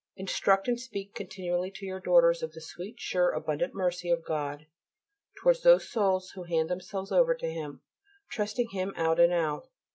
Instruct, and speak continually to your daughters of the sweet, sure, abundant mercy of God towards those souls who hand themselves over to Him, trusting Him out and out.